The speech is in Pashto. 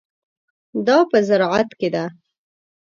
دا په زراعت کې ده.